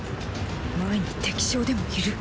前に敵将でもいる？